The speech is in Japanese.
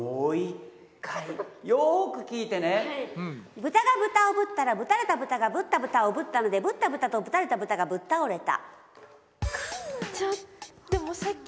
ブタがブタをぶったらぶたれたブタがぶったブタをぶったのでぶったブタとぶたれたブタがぶったおれた。